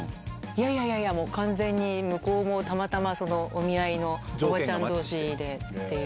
いやいやいや、もう完全に向こうもたまたまお見合いのおばちゃんどうしでっていう。